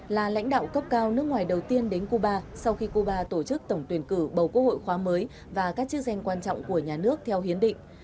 là lãnh đạo cấp cao nước ngoài đầu tiên đến cuba sau khi cuba tổ chức tổng tuyển cử bầu quốc hội khóa mới và các chức danh quan trọng của nhà nước theo hiến định